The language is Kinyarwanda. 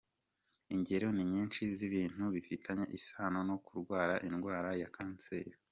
Ingero ni nyinshi z’ibintu bifitanye isano no kurwara indwara ya kanseri.